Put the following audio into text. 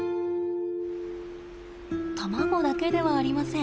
卵だけではありません。